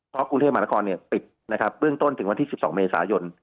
เพราะกรุงเทพมหาละครปิดเรื่องต้นถึงวันที่๑๒เมษายน